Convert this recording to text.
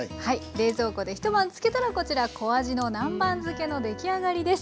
冷蔵庫で一晩つけたらこちら「小あじの南蛮漬け」の出来上がりです。